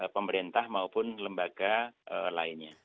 pemerintah maupun lembaga lainnya